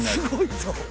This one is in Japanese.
すごいぞ。